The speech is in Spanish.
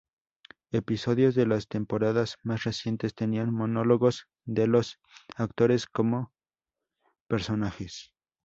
Episodios de las temporadas más recientes tenían monólogos de los actores pero como personajes.